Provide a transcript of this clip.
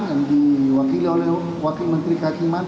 yang diwakili oleh wakil menteri kehakiman